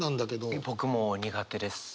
僕も苦手です。